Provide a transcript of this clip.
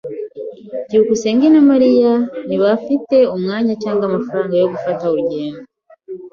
byukusenge na Mariya ntibafite umwanya cyangwa amafaranga yo gufata urugendo.